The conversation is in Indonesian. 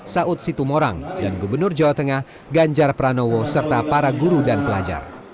saud situmorang dan gubernur jawa tengah ganjar pranowo serta para guru dan pelajar